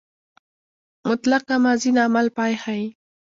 مطلقه ماضي د عمل پای ښيي.